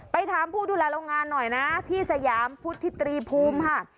ถามผู้ดูแลโรงงานหน่อยนะพี่สยามพุทธิตรีภูมิค่ะ